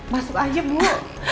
masuk aja bu